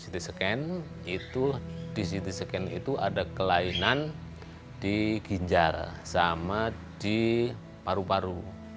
di ct scan itu ada kelainan di ginjal sama di paru paru